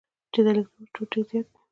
چي د الکترون شتون ډېر زيات وي.